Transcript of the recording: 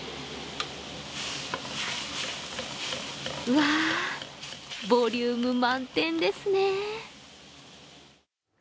わあ、ボリューム満点ですね。